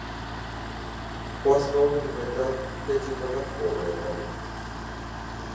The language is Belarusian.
У асноўным гэта пяціпавярховыя дамы.